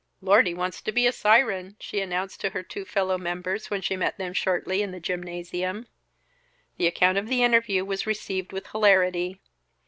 "Lordy wants to be a Siren!" she announced to her two fellow members when she met them shortly in the gymnasium. The account of the interview was received with hilarity.